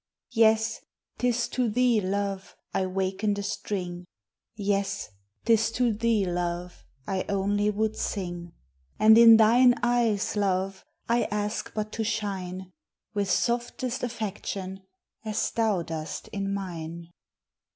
_) Yes! tis to thee love I waken the string: Yes! 'tis to thee love I only would sing; And in thine eyes love, I ask but to shine; With softest affection, As thou dost in mine.